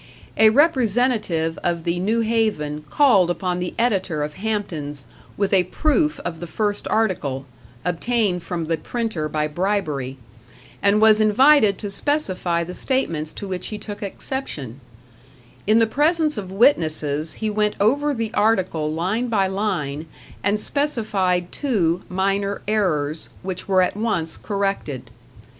A representative of the New Haven called upon the editor of Hampton's with a proof of the first article obtained from the printer by bribery and was invited to specify the statements to which he took exception; in the presence of witnesses he went over the article line by line, and specified two minor errors, which were at once corrected.